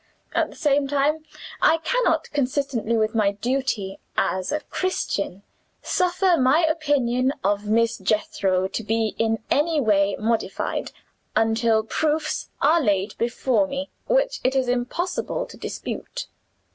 At the same time I cannot, consistently with my duty as a Christian, suffer my opinion of Miss Jethro to be in any way modified, until proofs are laid before me which it is impossible to dispute.